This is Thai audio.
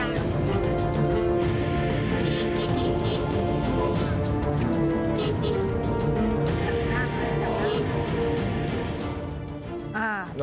อีกอย่าง